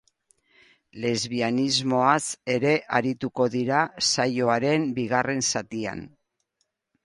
Lesbianismoaz ere arituko dira saioaren bigarren zatian.